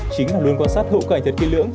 chính là luôn quan sát hộ cảnh thật kỹ lưỡng